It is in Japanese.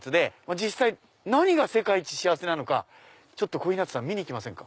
実際何が世界一幸せなのか小日向さん見に行きませんか？